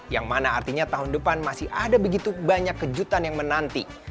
yang mana artinya tahun depan masih ada begitu banyak kejutan yang menanti